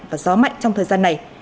và gió mạnh trong thời gian này